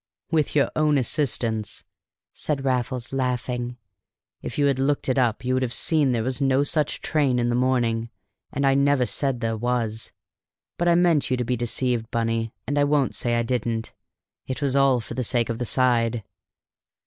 "With your own assistance," said Raffles laughing. "If you had looked it up you would have seen there was no such train in the morning, and I never said there was. But I meant you to be deceived, Bunny, and I won't say I didn't it was all for the sake of the side!